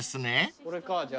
これかじゃあ。